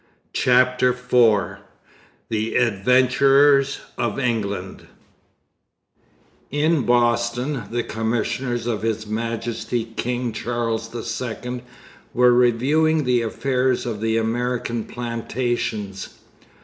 CHAPTER IV THE 'ADVENTURERS OF ENGLAND' In Boston the commissioners of His Majesty King Charles II were reviewing the affairs of the American Plantations.